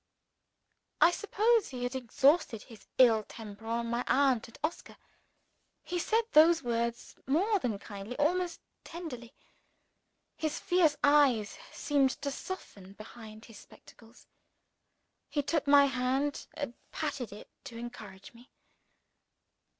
I suppose he had exhausted his ill temper on my aunt and Oscar. He said those words more than kindly almost tenderly. His fierce eyes seemed to soften behind his spectacles; he took my hand and patted it to encourage me.